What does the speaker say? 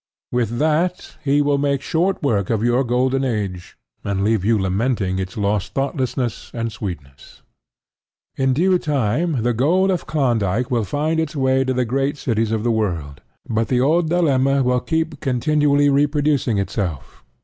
With that, he will make short work of your golden age, and leave you lamenting its lost thoughtlessness and sweetness. In due time the gold of Klondyke will find its way to the great cities of the world. But the old dilemma will keep continually reproducing itself.